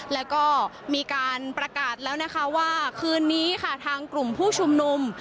แล้วก็มีการประกาศแล้วนะคะว่าคืนนี้ค่ะทางกลุ่มผู้ชุมนุม